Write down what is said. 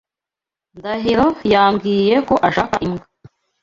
Ndahiro yambwiye ko ashaka imbwa.